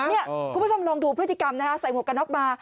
นี่คุณผู้ชมลองดูพฤติกรรมนะคะใส่หมวกกันน็อกมา